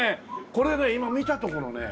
これね今見たところね